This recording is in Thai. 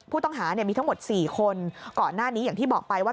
ผู้ต้องหามีทั้งหมด๔คนก่อนหน้านี้อย่างที่บอกไปว่า